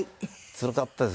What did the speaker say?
つらかったですね。